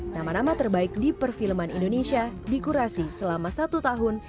nama nama terbaik di perfilman indonesia dikurasi selama satu tahun